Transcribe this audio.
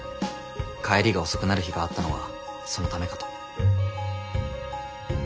帰りが遅くなる日があったのはそのためかと。